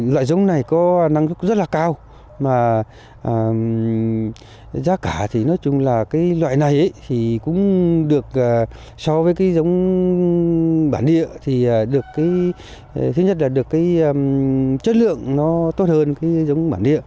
loại giống này có năng lực rất là cao mà giá cả thì nói chung là cái loại này thì cũng được so với cái giống bản địa thì được cái chất lượng nó tốt hơn cái giống bản địa